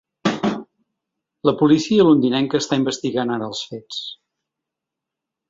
La policia londinenca està investigant ara els fets.